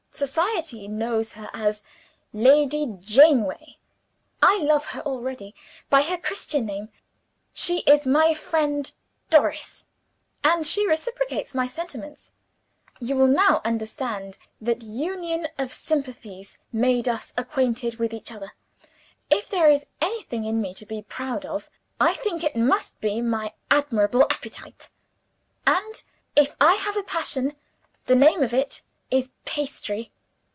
Society knows her as Lady Janeaway. I love her already, by her Christian name; she is my friend Doris. And she reciprocates my sentiments. "You will now understand that union of sympathies made us acquainted with each other. "If there is anything in me to be proud of, I think it must be my admirable appetite. And, if I have a passion, the name of it is Pastry.